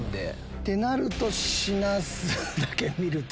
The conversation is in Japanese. ってなると品数だけ見ると。